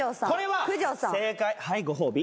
正解はいご褒美。